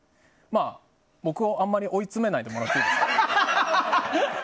僕をあまり追い詰めないでもらっても、いいですか？